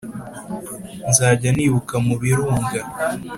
nzajya nibuka mu birunga